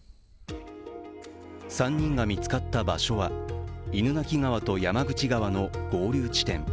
３人が見つかった場所は犬鳴川と山口川の合流地点。